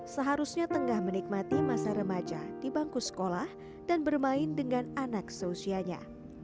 seharusnya tengah menikmati masa remaja di bangku sekolah dan bermain dengan anak seusianya